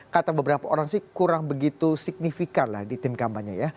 kata beberapa orang sih kurang begitu signifikan lah di tim kampanye ya